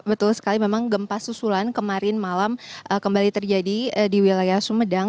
betul sekali memang gempa susulan kemarin malam kembali terjadi di wilayah sumedang